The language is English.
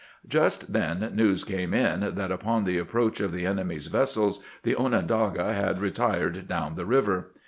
Just then news came in that upon the approach of the enemy's vessels the Onondaga had re tired down the river.